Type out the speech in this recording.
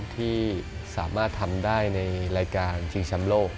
ที่สามารถทำได้ในรายการชิงแชมป์โลก